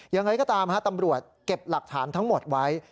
อย่างไรก็ตามตำรวจเก็บหลักฐานทั้งหมดไว้